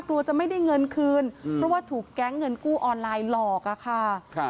กลัวจะไม่ได้เงินคืนเพราะว่าถูกแก๊งเงินกู้ออนไลน์หลอกอะค่ะ